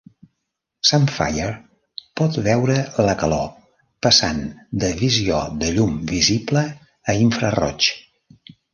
Sunfire pot veure la calor, passant de visió de llum visible a infraroig.